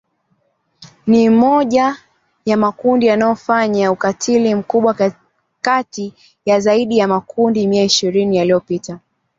ni mmoja ya makundi yanayofanya ukatili mkubwa kati ya zaidi ya makundi mia ishirini yaliyopo